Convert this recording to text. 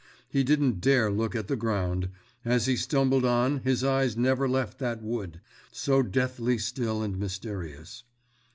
He didn't dare look at the ground; as he stumbled on his eyes never left that wood, so deathly still and mysterious.